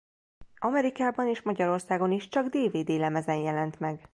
Amerikában és Magyarországon is csak dvd-lemezen jelent meg.